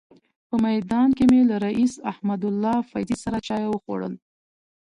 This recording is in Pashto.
په میدان کې مې له رئیس احمدالله فیضي سره چای وخوړل.